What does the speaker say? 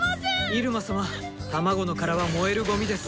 イルマ様卵のカラは燃えるゴミです。